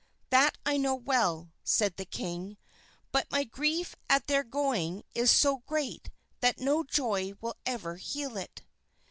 "That I know well," said the king, "but my grief at their going is so great that no joy will ever heal it."